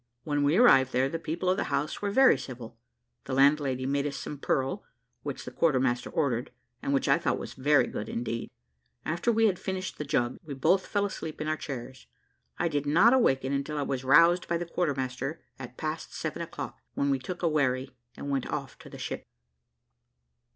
When we arrived there, the people of the house were very civil; the landlady made us some purl, which the quartermaster ordered, and which I thought very good indeed. After we had finished the jug, we both fell asleep in our chairs. I did not awaken until I was roused by the quarter master, at past seven o'clock, when we took a wherry, and went off to the ship.